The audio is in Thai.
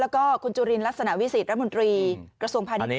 แล้วก็คุณจุรินรัฐสนาวิสิทธิ์รัฐมนตรีกระทรวมพาณิชย์